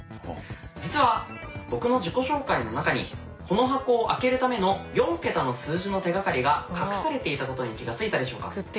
実は僕の自己紹介の中にこの箱を開けるための４桁の数字の手がかりが隠されていたことに気が付いたでしょうか。